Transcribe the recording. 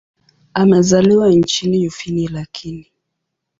Amezaliwa nchini Ufini lakini.